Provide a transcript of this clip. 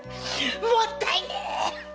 もったいねえ！